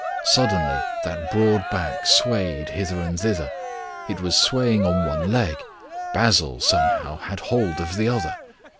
Suddenly that broad back swayed hither and thither. It was swaying on one leg; Basil, somehow, had hold of the other.